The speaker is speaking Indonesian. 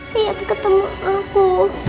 tiap ketemu aku